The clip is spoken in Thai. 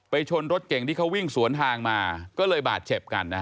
ชนรถเก่งที่เขาวิ่งสวนทางมาก็เลยบาดเจ็บกันนะฮะ